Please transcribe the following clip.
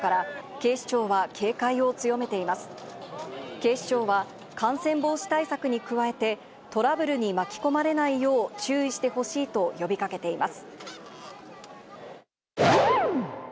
警視庁は、感染防止対策に加えて、トラブルに巻き込まれないよう注意してほしいと呼びかけています。